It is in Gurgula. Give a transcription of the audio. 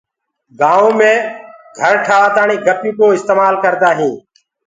گآئونٚ مي گھر ٺآوآ تآڻي گَپي ڪو استمآل ڪردآ هينٚ۔